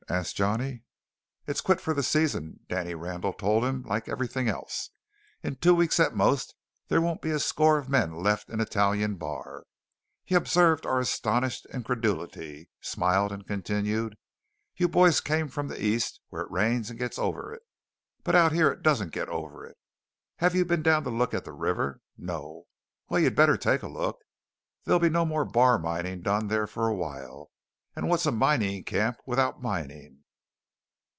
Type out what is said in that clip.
asked Johnny. "It's quit for the season," Danny Randall told him, "like everything else. In two weeks at most there won't be a score of men left in Italian Bar." He observed our astonished incredulity, smiled, and continued: "You boys came from the East, where it rains and gets over it. But out here it doesn't get over it. Have you been down to look at the river? No? Well, you'd better take a look. There'll be no more bar mining done there for a while. And what's a mining camp without mining?